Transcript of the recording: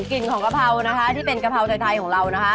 กลิ่นของกะเพรานะคะที่เป็นกะเพราไทยของเรานะคะ